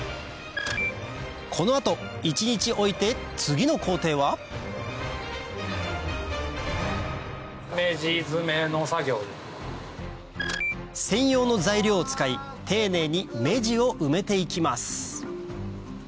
この後一日置いて次の工程は専用の材料を使い丁寧に目地を埋めて行きます